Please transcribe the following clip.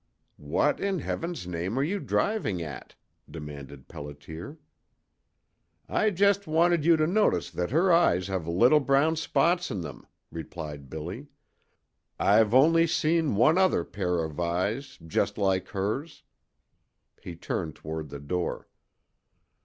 "What in Heaven's name are you driving at?" demanded Pelliter. "I just wanted you to notice that her eyes have little brown spots in them," replied Billy. "I've only seen one other pair of eyes just like hers." He turned toward the door.